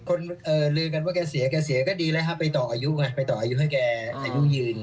ลือกันว่าแกเสียแกเสียก็ดีแล้วครับไปต่ออายุไงไปต่ออายุให้แกอายุยืน